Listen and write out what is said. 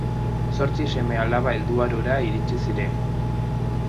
Zortzi seme-alaba helduarora iritsi ziren.